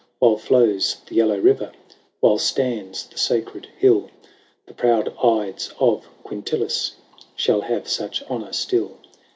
While flows the Yellow River, While stands the Sacred Hill, The proud Ides of Quintilis Shall have such honour still.